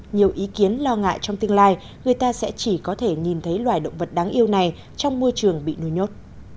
nhiều ý kiến lo ngại trong tương lai người ta sẽ chỉ có thể nhìn thấy loài động vật đáng yêu này trong môi trường bị nuôi nhốt